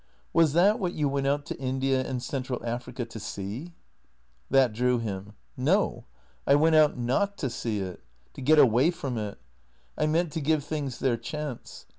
Was that what you went out to India and Central Africa to see ?" That drew him. " No. I went out not to see it. To get away from it. I meant to give things their chance.